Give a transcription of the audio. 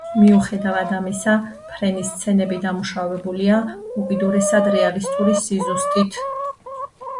მიუხედავად ამისა, ფრენის სცენები დამუშავებულია უკიდურესად რეალისტური სიზუსტით.